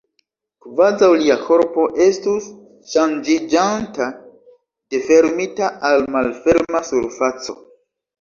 Kvazaŭ lia korpo estus ŝanĝiĝanta de fermita al malferma surfaco.